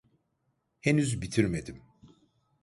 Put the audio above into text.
Henüz bitirmedim.